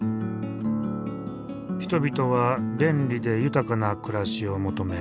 人々は便利で豊かな暮らしを求め